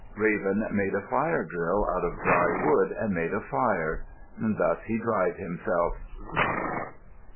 Raven made a fire drill out of dry wood and made a fire. Thus he dried himself.